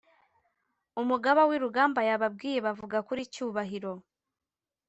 umugaba wirugamba yababwiye bavuga kuri cgubahiro.